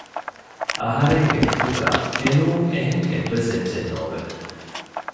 އަހަރެންގެ ހިތުގައި އެނޫން އެހެން އެއްވެސް އެއްޗެއް ނޯވެ